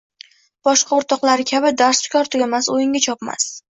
Boshqa o'rtoqlari kabi dars tugar-tugamas o'yinga chopmas